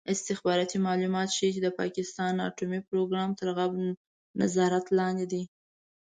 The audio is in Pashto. استخباراتي معلومات ښيي چې د پاکستان اټومي پروګرام تر غرب نظارت لاندې دی.